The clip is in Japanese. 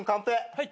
はい。